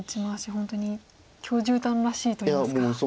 本当に許十段らしいといいますか。